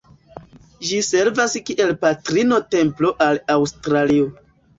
Ĝi servas kiel "Patrino-Templo" al Aŭstralio.